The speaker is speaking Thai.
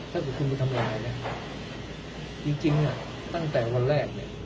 ถ้าเป็นคุณมันทำยังไงเนี่ยจริงอ่ะตั้งแต่วันแรกเนี่ย